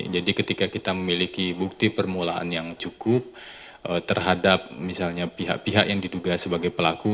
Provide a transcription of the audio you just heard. jadi ketika kita memiliki bukti permulaan yang cukup terhadap misalnya pihak pihak yang diduga sebagai pelaku